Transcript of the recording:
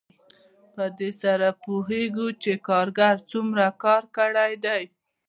په دې سره پوهېږو چې کارګر څومره کار کړی دی